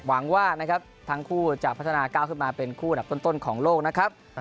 หวังว่านะครับทั้งคู่จะพัฒนาก้าวขึ้นมาเป็นคู่อันดับต้นของโลกนะครับ